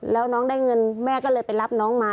แล้วน้องได้เงินแม่ก็เลยไปรับน้องมา